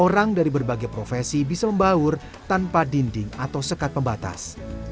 orang dari berbagai profesi bisa membaur tanpa dinding atau sekat pembatas